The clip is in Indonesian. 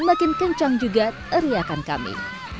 semakin kencang juga teriakan kami